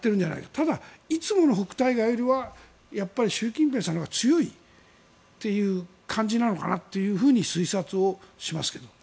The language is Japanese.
ただ、いつもの北戴河よりはやっぱり習近平さんのほうが強いという感じなのかなと推察をしますけども。